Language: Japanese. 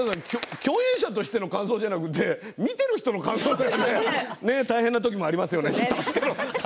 共演者としての感想ではなくて見ている人の感想でね大変な時もありますよねって。